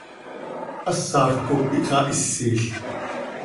Hasaj cop ixahisil.